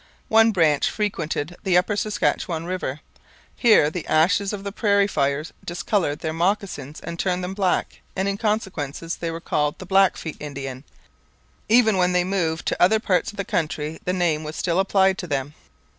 One branch frequented the upper Saskatchewan river. Here the ashes of the prairie fires discoloured their moccasins and turned them black, and, in consequence, they were called the Blackfeet Indians. Even when they moved to other parts of the country, the name was still applied to them.